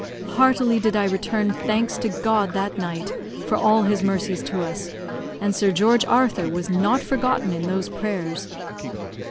Heartily did I return thanks to God that night for all his mercies to us; and Sir George Arthur was not forgotten in those prayers.